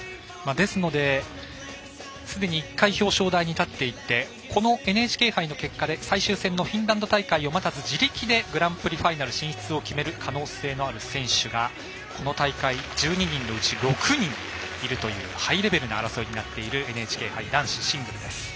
ですので、すでに１回表彰台に立っていてこのＮＨＫ杯の結果で最終戦のフィンランド大会を待たずに自力でグランプリファイナル進出を決める可能性のある選手がこの大会、１２人のうち６人いるというハイレベルな争いになっているＮＨＫ杯男子シングル。